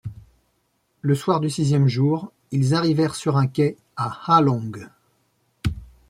Le soir du sixième jour, ils arrivèrent sur un quai à Hạ Long.